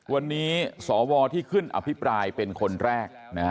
วันนี้สวที่ขึ้นอภิปรายเป็นคนแรกนะฮะ